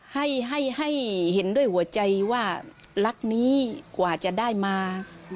ให้ให้เห็นด้วยหัวใจว่ารักนี้กว่าจะได้มา